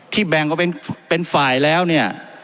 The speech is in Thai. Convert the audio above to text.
แบ่งออกเป็นฝ่ายแล้วเนี่ย